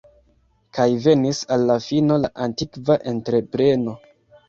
Kaj venis al la fino la antikva entrepreno.